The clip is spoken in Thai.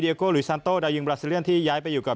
โกหลุยซานโต้ดาวยิงบราซิเลียนที่ย้ายไปอยู่กับ